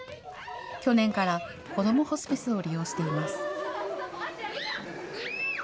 去年からこどもホスピスを利用しています。